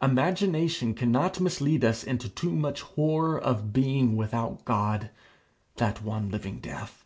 Imagination cannot mislead us into too much horror of being without God that one living death.